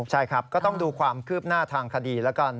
ใช่ครับก็ต้องดูความคืบหน้าทางคดีแล้วกัน